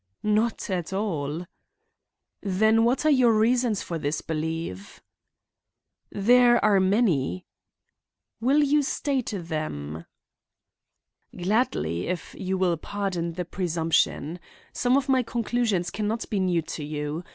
"Not at all." "Then what are your reasons for this belief?" "They are many" "Will you state them?" "Gladly, if you will pardon the presumption. Some of my conclusions can not be new to you.